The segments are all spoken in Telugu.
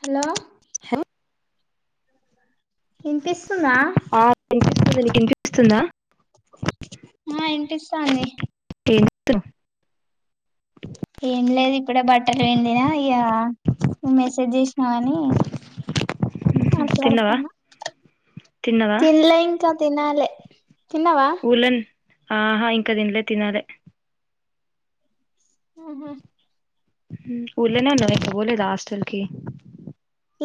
హాలో హలో ఎంతిస్ తునా అసల్ నేను నీకు వినిపిస్తుందా హ ఇనిపిస్తాంది తే ఏం చేస్తున్నావ్ ఏం లేది బడ బట్టలు పోయింది కదా ఇగా మెసేజ్ చేసినా గాని తిన్నవా మాట్లాడుతన్న తిన్నవా తిలై కా తినాలే తిన్నావా ఉలన్ ఆహా ఇంకా తినలే తినాలే ఆహా ఊళ్లోనే ఉన్నారా ఎక్కడికి పోలేదా హాస్టల్ కి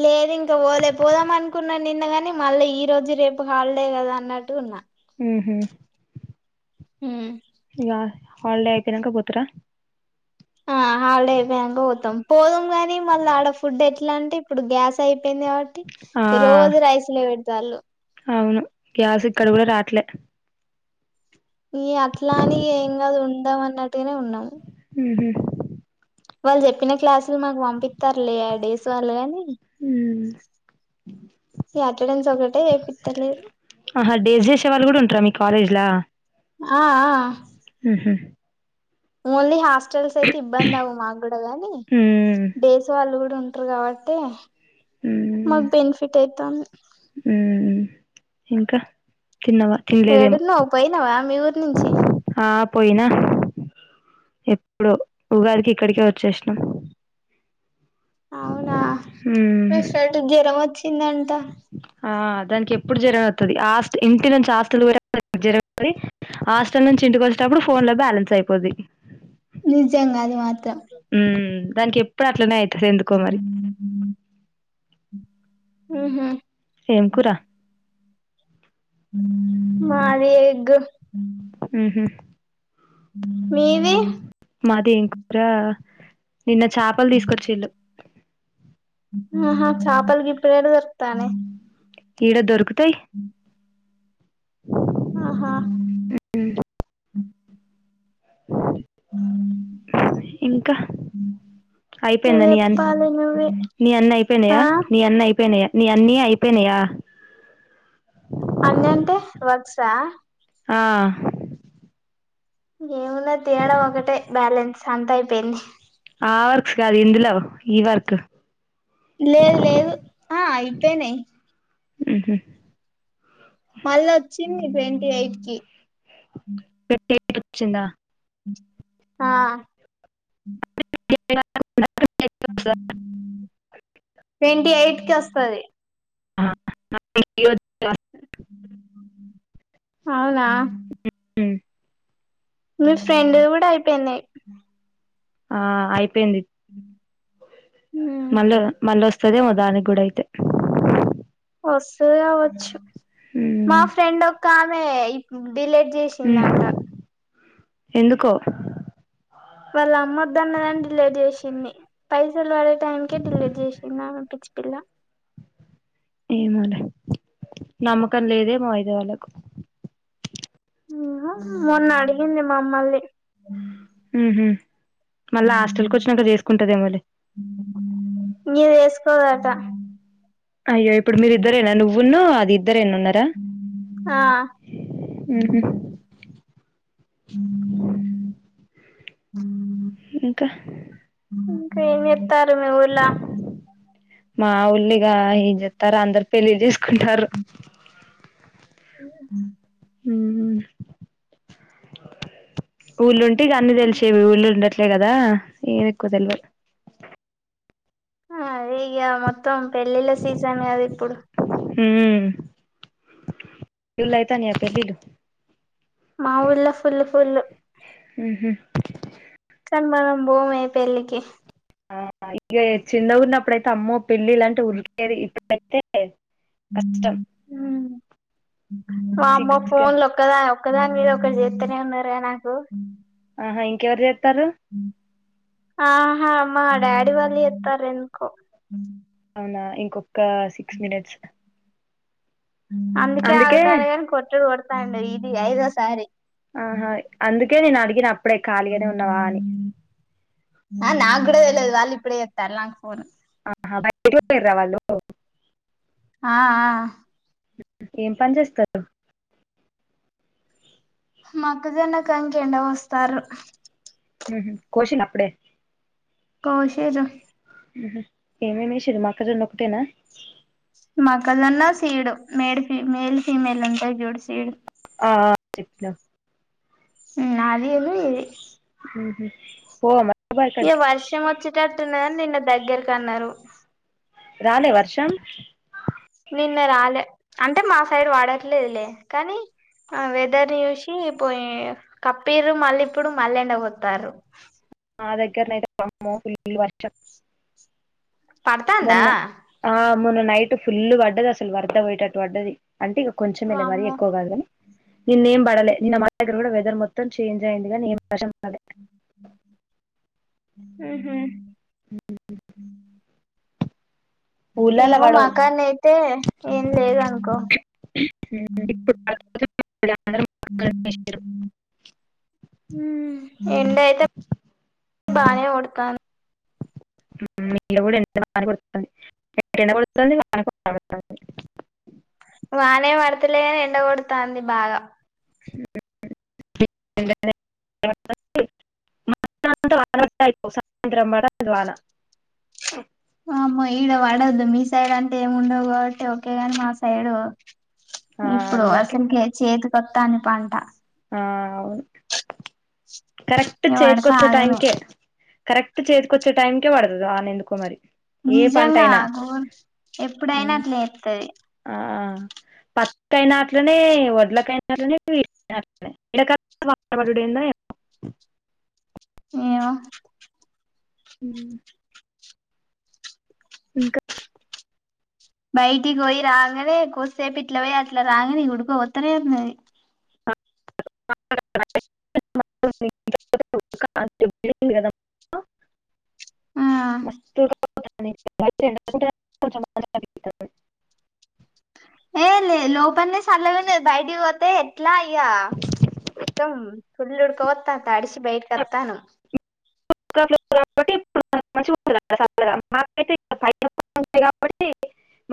లేదు ఇంకా పోలే పోదాం అనుకున్నా నిన్న గాని మళ్ళీ ఈ రోజు రేపు హాలిడే కదా అన్నట్టు ఉన్నా ఉహూ హు ఇగా హాలిడే అయిపోయినాక పోతారా ఆ హాలడే అయిపోయినంక పోతాం పోదం కాని మళ్ళీ ఆడ ఫుడ్ ఎట్లా అంటే ఇప్పుడు గ్యాస్ అయిప్ పెందే కాబట్టి ఆ రోజ రైస్ లేట్ చల్లు అవును గ్యాస్ ఇక్కడ కూడా రాట్లే ఈ అట్లాని ఏం కాదు ఉండాం అన్నట్టునే ఉన్నాము వి వాళ్ళు చెప్పిన క్లాసులు మాకు పంపి ఇస్తర్లే ఏయా డేస్ వాళ్ళుగాని ఉమ్ అక్కడ నుంచి ఒకటే చేపిస్తలేరు ఇలా ఆ న్లీ హాస్ హాస్టల్స్ అయితే ఇబ్బంది అవ్వు మాకు గుడా గాని ఉమ్ దేశ వాళ్ళు గూడా ఉన్ ఇ కాబట్టి ఉమ్ మగ బెనిఫిట్ యితే తం ఉమ్ ఇంకా తిన్నవా తినలేదేమో ఏడున్నా పోయినావా మీ ఊరు నుంచి ఆ పోయినా ఎప్పుడు ఉగాదికి ఇక్కడికే వచ్చేసాం అవునా వస జరమ్చ చిన్నంట ఆ దానికి ఎప్పుడు జరగతుంది హాస్టల్ ఇంటి నుంచి హాస్టల్ కూడా జరుగుంది హాస్టల్ నుంచి ఇంటికి వచ్చేటప్పుడు ఫోన్ లో బ్యాలెన్స్ అయిపోది నిజంగా అది మాత్రం హ్మ్ దానికి ఎప్పుడు అట్ననే అయ్ ఎందుకోమరి ఉహా ఏం కురా మాది ఎగ్ ఉ ఉహు మీది మాది ఏం కూరా నిన్న చాపలు దీసుకొచ్చిండు ఆహా చాపల్ గిప్పడాడదొరుకుతానే ఇడా దొరుకుతాయ్ ఆహా ఇంకా ఇంకా అయిపోయిందా నీ అ చెప్పాలి నువ్వే నీ అన్న అయిపోయినాయా ఆ నీ అన్న అయిపోయినాయా నీ అన్నీ అయిపోయినాయా అన్నంటే వర్క్సా ఆ ఏమున్నా తినడం ఒకటే బ్యాలెన్స్ అంతా అయిపెయింది గాదు ఇందులో ఈ వర్కు లేదు లేదు ఆ అయిపెయినై ఉహు మళ్ళా వచ్చింది ట్వంటీ ఎయిట్ కి పెట్టైయొచ్చిందా ఆ [unintelligible] ట్వెంటీ ఎయిట్ కి వస్తది [inaudible] అవునా హ్మ్. మీ ఫ్రెండ్ ది గుడ అయిపెంది ఆ అయి పెంది మళ్ళ మళ్ళ వస్త వత్తదేమొ దానికి గూడ అయితే వస్తది గావొచ్చు మా హ్మ్. ఫ్రెండ్ ఒక్క ఆమె ఉ డిలీట్ హ్మ్. చేసిందంట ఎందుకో వాళ్ళ ఆముొద్దన్నదని డిలీట్ చేసింది పైసలు వాడే టైంకే డిలీ చేసిందా ఆమె పిచ్చి పిల్ల ఏ మోనే నమ్మకం లేదే మాో ఆయితే వాళ్ళకు మొన్న అడిగింది మమ్మల్ నీ ఉహు మళ్ళా హాస్టల్ కు వచ్చినాక చేసుకుంటది ఏమోలే చేసుకోదట అయ్యాో ఇప్పుడు మీరి ఇద్దరేనా నువ్వున్నాో అది ఇద్దరు ఎన్న ఉన్నారా ఆ ఉహూ హ ఇంకా ఏం చెప్ మా ఊల్లిగా ఎంజెతార్ అందరు పెళ్ళి చేస్ కుంటారు ఉమ్ ఊహూ ఊలుం ఇగ అన్ని తెలిసేవీ ఊళ్ళుండట్ తేగదా ఏమ్ ఎక్కువ తెల్వద్ ఆ అదే ఇగ మొత్తం పెళ్ళిళ్ళ సీజన్ కదా ఇప్పుడు ఉమ్ ఊళ్ళైతన్నాయ పెళ్ళిళ్ళు మాఊళ్ళ ఫుల్ ఫుల్ ఊహూ కాని మనం భోమే పెళ్ళికి ఆ ఇగ చిన్నగున్నప్పుడైతే అమ్మో పెళ్ళిలంటే ఉరికేది ఇప్పుడైతే కష్టం వామ్మో సిగ్గు సిగ్గని ఫోన్ లోక్కదా ఒక్కదాని మీద ఒకరు చేత్తనే ఉన్నరుగా నాకు అహ ఇంకెవరు చేత్ త్తరు ఆహా మా డాడీ వాళ్ళు చేత్తారు ఎందుకో నా ఇంకొ. ఆహ్ సిక్స్ మినేట్స్. అందుకే ఆగుతలేరు కొట్టుడు కొడ్. పండుగే ఇది ఐదో సారి. ఆహ్ హయ్ అందుక్. కే నేన్ అడిగినా. అప్పుడే ఖాళీగానే ఉన్నవా అని. ఆ నాకు ఇప్పుడే తేలాంది వాళ్ళిప్పుడే చెప్తారా. ఆహా బయట పోయింర్రా వాళ్ళు. [inaudible] ఆహ్ ఆహ్. ఏం పని చేస్తారు. మొక్కజొన్న కంకెండ పోస్తారు. ఊహూ కోసిండా అప్పుడే. కోషింర్రు. ఉహూ ఏమేమేసింర్రు మెుక్కజొన్న ఒక్కటేనా. మెుక్కజొన్న సీడు మేడ్ ఫిమేల్ ఫీమేల్ ఉంటయ్ చూడు సీడు. ఆహ్ చెప్పిన. ఉమ్ అది ఉన్ను ఇది. ఊహూ పోవా మరి. ఇగ వర్షమెుచ్చెటట్టు. నిన్న దగ్గరకు అన్నారు. రాలే వర్షం. నిన్న రాలే అంటే మా సైడ్ వాడట్లేదులే కానీ ఆ వెదర్ చూసి పోయిం. కప్పీంరు మళ్ళీ ఇప్పుడు మళ్ళీ ఎండపోతారు. మా దగ్గర అయితే వామ్మో పుల్లు వర్షం. పడతాందా. మొన్న ఆ మొన్న నైట్ ఫుల్ వడ్డది అసలు వర్ద పోయేటట్టు వడ్డది. అంటే ఇక కొంచెమేలే కానీ మరీ వామ్మో ఎక్కువ పడలే కానీ నిన్నేం పడలే. నిన్న మా దగ్గర కూడా వెదర్ మొత్తం చేంజ్ అయింది కానీ ఏం వర్షం పడలే. ఉమ్మ్. ఉమ్ ఉమ్ ఉమ్ ఉమ్ ఏమో మాకాన్నేతే ఏం లేదు అనుకో ఇప్పుడు పడకపోతే మళ్ళీ అందరూ మొక్కలు వేసిర్రు. ఎండ అయితే బానే కొడతంది. మీలో కూడా ఎండ బానే కొడుతుంది. ఎండ కొడుతుంది వాన కొడుతుంది. వానే పడతలేదు. ఎండ కొడుతాంది బాగా. సాయంత్రం పడతది వాన. అమ్మా ఈడ పడొద్దు మీ సైడ్ అంటే ఏమి ఉండవు కాబట్టి ఓకే గాని మా సైడు. ఆ ఇప్పుడు అందరికి అసలుకి చేదు. మొత్తానికంట. ఆ అవును కరెక్ట్ ఇగ పడితే చేతికొచ్చే టైం ఆగమే కె కరెక్ట్ చేతికొచ్చే టైంకే పడుతది వాన ఎందుకో మరి ఏ పంట నిజంగా అయినా ఘోరం ఎప్పుడైనా అట్లా చేతది హా ఆ పత్తి అయినా అట్లనే వడ్లకు అయినా అట్లనే వీటికి అయినా అట్లనే ఎండాకాలం వాన పడుడు ఏందో ఏమో ఏమో ఉహు ఇంకా బయటికి పోయి రాగానే కొద్దిసేపు ఇట్ల పోయి అట్లా రాగానే ఇగ ఉడుకపోతనే ఉన్నది చ [unintelligible] కదా ఆ మస్తు ఉడక [inaudible] ఏ లే లోపం నే సల్లగున్నది బయటికి పోతే ఎట్లా ఇగ మొత్తం ఫుల్ ఉడక పోతాది తడిస బయటికి వస్తానాం మూడో ఫ్లోర్ కాబట్టి ఇప్పుడు మంచిగుంటది చల్లగా మాకైతే పైన [inaudible] కాబట్టి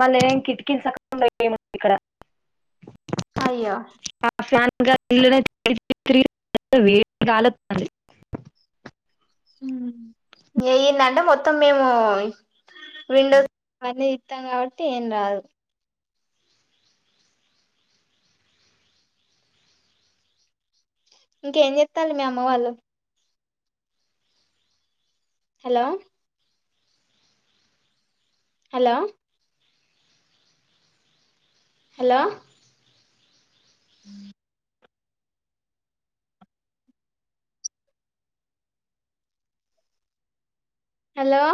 మల్ల ఏం కిటికీలు సక్కగా ఉండవు ఏం ఇక్కడ అయ్యో ఇంకా ఇళ్లనే తిరిగి తిరిగి వేడి గాలి వత్త అది హు ఇనంటే మొత్తం మేము విండోస్ అవన్నీ తీతాము కాబట్టి ఏం రాదు ఇంకేం చెస్తాలు మీ అమ్మ వాళ్ళు హలో హలో హలో హు [inaudible] హలో